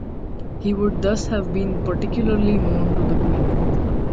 He would thus have been particularly known to the Queen.